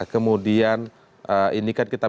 kemudian ini kan kita